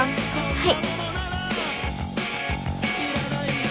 はい。